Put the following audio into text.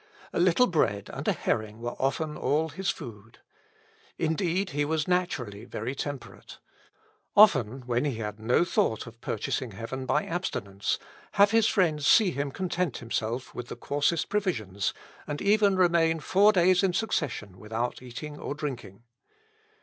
A little bread and a herring were often all his food. Indeed, he was naturally very temperate. Often when he had no thought of purchasing heaven by abstinence, have his friends seen him content himself with the coarsest provisions, and even remain four days in succession without eating or drinking.